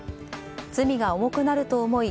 罪が重くなると思い